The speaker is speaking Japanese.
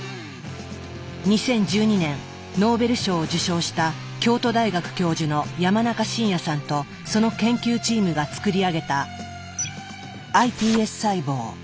２０１２年ノーベル賞を受賞した京都大学教授の山中伸弥さんとその研究チームが作り上げたｉＰＳ細胞。